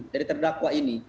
dari terdakwa ini